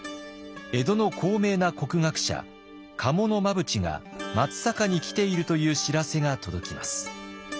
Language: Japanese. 江戸の高名な国学者賀茂真淵が松坂に来ているという知らせが届きます。